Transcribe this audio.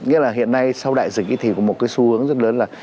nghĩa là hiện nay sau đại dịch thì có một cái xu hướng rất lớn là